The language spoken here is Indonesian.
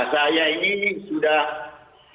saya ini sudah